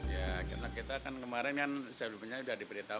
ya karena kita kan kemarin kan sebelumnya sudah diberitahu